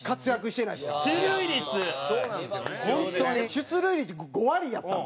出塁率５割やったの？